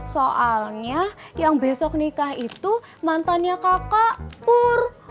soalnya yang besok nikah itu mantannya kakak pur